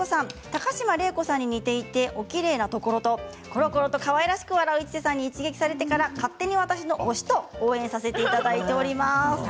高島礼子さんに似ていておきれいなところとコロコロとかわいらしく笑う市瀬さんに一撃されてから勝手に私の推しと応援させていただいています。